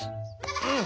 うん。